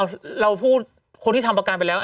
เราพูดคนที่ทำประกันไปแล้ว